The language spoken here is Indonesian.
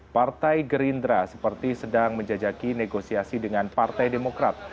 partai gerindra seperti sedang menjajaki negosiasi dengan partai demokrat